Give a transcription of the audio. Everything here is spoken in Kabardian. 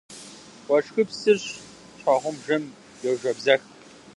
Уэшхыпсыр щхьэгъубжэм йожэбзэх.